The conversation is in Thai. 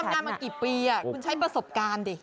คุณทำงานมากี่ปีอ่ะคุณใช้ประสบการณ์ดิ